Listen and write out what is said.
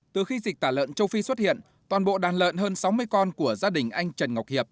từ khi dịch tả lợn châu phi xuất hiện toàn bộ đàn lợn hơn sáu mươi con của gia đình anh trần ngọc hiệp